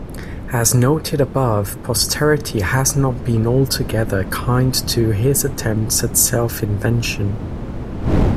As noted above, posterity has not been altogether kind to his attempts at self-invention.